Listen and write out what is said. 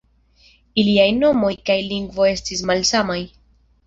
Iliaj nomoj kaj lingvo estis malsamaj.